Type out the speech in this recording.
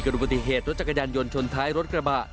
อุบัติเหตุรถจักรยานยนต์ชนท้ายรถกระบะ